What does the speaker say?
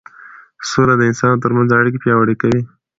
سوله د انسانانو ترمنځ اړیکې پیاوړې کوي